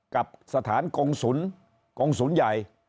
กับสถานกงสุนกงสุนใหญ่